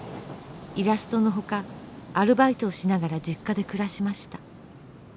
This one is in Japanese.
イラストの他アルバイトをしながら実家で暮らしました。